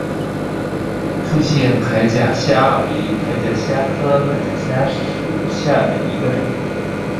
复线铠甲虾为铠甲虾科铠甲虾属下的一个种。